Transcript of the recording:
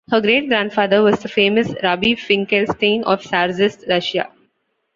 Her great-grandfather was the famous Rabbi Finkelstein of Czarist Russia.